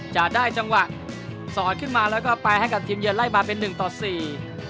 จะได้จังหวะสอดขึ้นมาแล้วก็ไปให้กับทีมเยือนไล่มาเป็นหนึ่งต่อสี่